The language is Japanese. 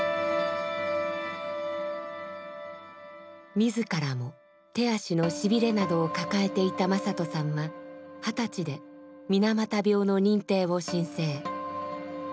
自らも手足のしびれなどをかかえていた正人さんは二十歳で水俣病の認定を申請。